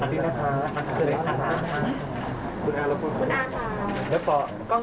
เบบไซด์ดีครับ